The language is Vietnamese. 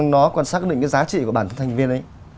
nó quan sát được cái giá trị của bản thân thành viên